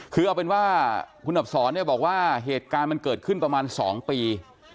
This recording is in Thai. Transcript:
คือเอาเป็นว่าคุณอับสอนเนี่ยบอกว่าเหตุการณ์มันเกิดขึ้นประมาณ๒ปี